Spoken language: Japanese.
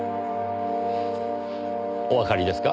おわかりですか？